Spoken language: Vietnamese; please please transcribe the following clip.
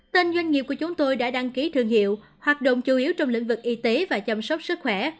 tên doanh nghiệp của chúng tôi đã đăng ký thương hiệu hoạt động chủ yếu trong lĩnh vực y tế và chăm sóc sức khỏe